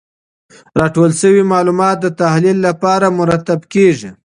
راټول سوي معلومات د تحلیل لپاره مرتب کیږي.